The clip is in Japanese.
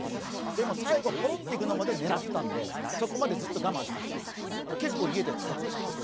でも最後、ぽろっていくのまで狙ったんで、そこまで、ずっと我慢してました家で、結構、撮影してます。